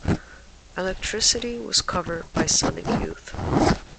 "Electricity" was covered by Sonic Youth.